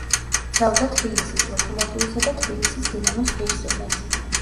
იცავდა თბილისის „ლოკომოტივისა“ და თბილისის „დინამოს“ ღირსებას.